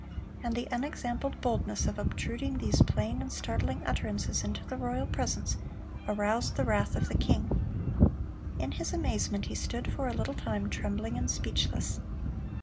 And the unexampled boldness of obtruding these plain and startling utterances into the royal presence, aroused the wrath of the king. In his amazement he stood for a little time trembling and speechless.